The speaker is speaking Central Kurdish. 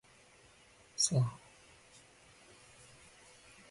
هەتیو کێیە کاری خراپ دەکا؟